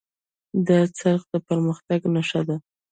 دا څرخ د پرمختګ نښه ده.